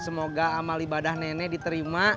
semoga amal ibadah nenek diterima